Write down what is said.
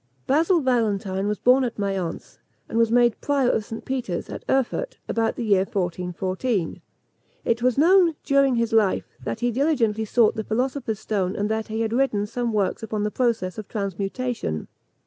Basil Valentine was born at Mayence, and was made prior of St. Peter's, at Erfurt, about the year 1414. It was known, during his life, that he diligently sought the philosopher's stone, and that he had written some works upon the process of transmutation.